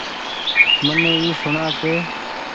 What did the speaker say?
مني اي سوڻآ ڪي